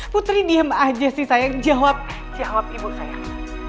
putri diam aja sih sayang jawab jawab ibu sayang